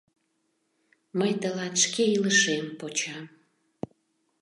— Мый тылат шке илышем почам.